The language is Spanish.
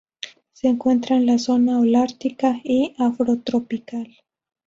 Se encuentra en la zona holártica y afrotropical.